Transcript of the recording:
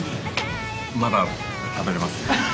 まだ食べれますね。